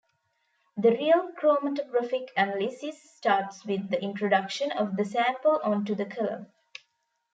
The real chromatographic analysis starts with the introduction of the sample onto the column.